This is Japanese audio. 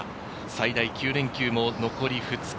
最大９連休も残り２日。